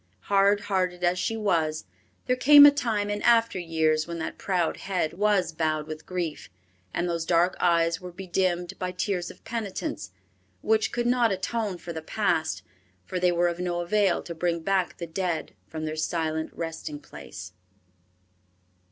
Hard hearted as she was, there came a time in after years when that proud head was bowed with grief, and those dark eyes were bedimmed by tears of penitence, which could not atone for the past; for they were of no avail to bring back the dead from their silent resting place.